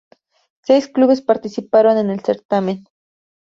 Seis clubes participaron en el certamen.